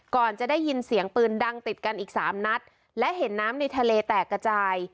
ก่อนจะได้ยินเสียงปืนดังติดกันอีกสามนัดและเห็นน้ำในทะเลแตกกระจาย